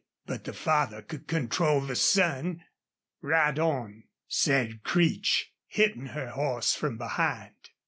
But the father could control the son! "Ride on," said Creech, hitting her horse from behind.